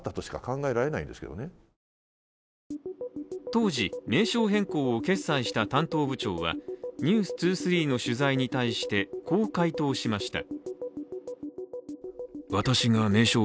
当時、名称変更を決裁した担当部長は、「ｎｅｗｓ２３」の取材に対して、こう回答しました。